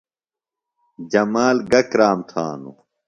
جمال گہ کرام تھانُوۡ؟